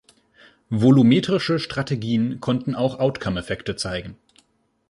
Volumetrische Strategien konnten auch Outcome-Effekte zeigen.